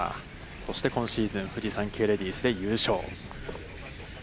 そして今シーズン、フジサンケイレディスで優勝。